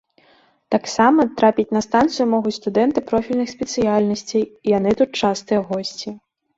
Таксама трапіць на станцыю могуць студэнты профільных спецыяльнасцей, яны тут частыя госці.